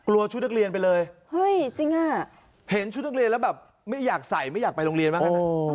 ชุดนักเรียนไปเลยเฮ้ยจริงอ่ะเห็นชุดนักเรียนแล้วแบบไม่อยากใส่ไม่อยากไปโรงเรียนบ้างงั้น